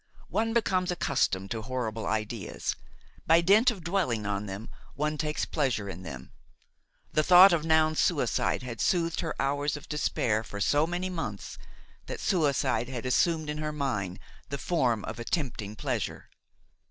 One becomes accustomed to horrible ideas; by dint of dwelling on them one takes pleasure in them. The thought of Noun's suicide had soothed her hours of despair for so many months, that suicide had assumed in her mind the form of a tempting pleasure.